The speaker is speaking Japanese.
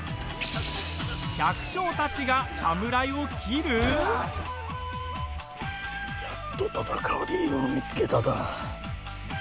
百姓たちが侍を斬る？やっと戦う理由を見つけただ。